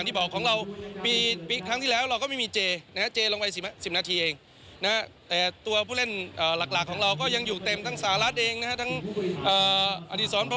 ที่เรียนปีที่แล้วที่ลงไปในสนามไวภาคก่อนแรกก็ยังอยู่ครบ